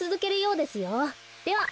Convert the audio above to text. では。